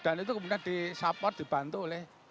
dan itu kemudian disupport dibantu oleh